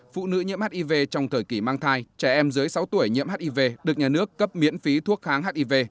phụ nữ nhiễm hiv trong thời kỳ mang thai trẻ em dưới sáu tuổi nhiễm hiv được nhà nước cấp miễn phí thuốc kháng hiv